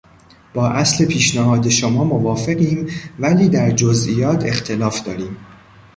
با اصل پیشنهاد شما موافقیم ولی در جزئیات اختلاف داریم.